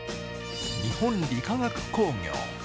日本理化学工業。